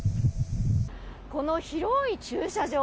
この広い駐車場。